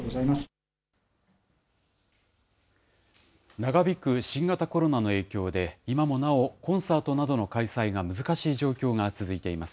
長引く新型コロナの影響で、今もなお、コンサートなどの開催が難しい状況が続いています。